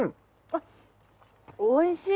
あっおいしい。